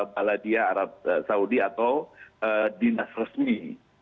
baladia arab saudi atau dinas resmi